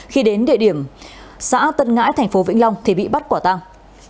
khi đến địa điểm xã tân ngãi tp vĩnh long thì bị bắt quả tang